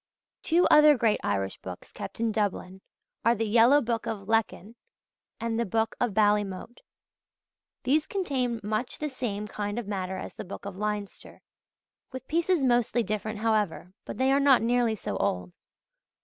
Two other great Irish books kept in Dublin are the Yellow Book of Lecan [Leckan] and the Book of Ballymote. These contain much the same kind of matter as the Book of Leinster with pieces mostly different however but they are not nearly so old.